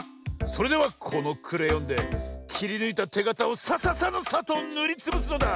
それではこのクレヨンできりぬいたてがたをサササのサッとぬりつぶすのだ！